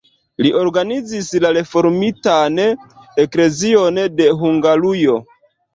Li organizis la reformitan eklezion de Hungarujo.